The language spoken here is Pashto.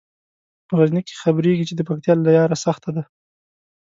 په غزني کې خبریږي چې د پکتیا لیاره سخته ده.